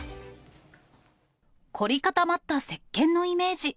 凝り固まったせっけんのイメージ。